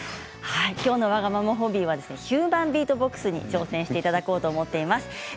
きょうの「わがままホビー」はヒューマンビートボックスに挑戦していただこうと思っています。